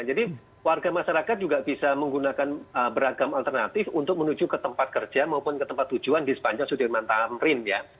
jadi warga masyarakat juga bisa menggunakan beragam alternatif untuk menuju ke tempat kerja maupun ke tempat tujuan di sepanjang sudirman tamrin ya